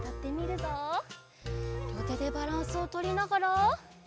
りょうてでバランスをとりながら。